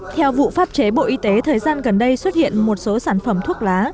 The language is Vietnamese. theo vụ pháp chế bộ y tế thời gian gần đây xuất hiện một số sản phẩm thuốc lá